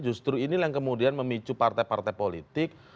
justru ini yang kemudian memicu partai partai politik